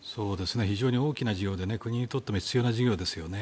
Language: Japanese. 非常に大きな事業で国にとっても必要な事業ですよね。